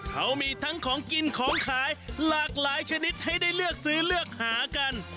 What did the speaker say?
เขามีทั้งของกินของขายหลากหลายชนิดให้ได้เลือกซื้อเลือกหากัน